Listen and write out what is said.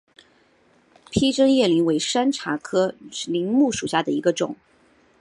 披针叶柃为山茶科柃木属下的一个种。